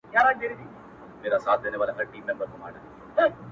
د ژوندون ساه د ژوند وږمه ماته كړه ـ